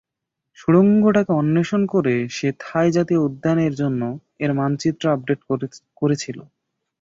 সুড়ঙ্গটাকে অন্বেষণ করে সে থাই জাতীয় উদ্যানের জন্য এর মানচিত্র আপডেট করেছিলো।